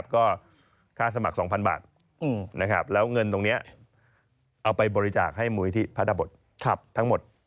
ก็ค่าสมัคร๒๐๐บาทแล้วเงินตรงนี้เอาไปบริจาคให้มูลิธิพระธบททั้งหมด